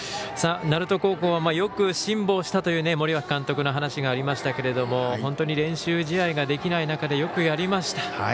鳴門高校はよく辛抱したという森脇監督の話がありましたけども本当に練習試合ができない中でよくやりました。